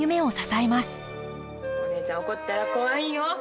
お姉ちゃん怒ったら怖いんよ。